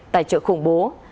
tài trợ khủng bố